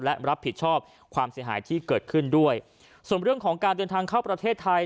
และรับผิดชอบความเสียหายที่เกิดขึ้นด้วยส่วนเรื่องของการเดินทางเข้าประเทศไทย